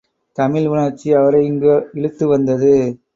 தமிழ் உணர்ச்சி அவரை அங்கு இழுத்து வந்தது.